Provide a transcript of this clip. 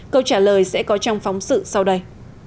câu trả lời sẽ có trong phóng sự sau đây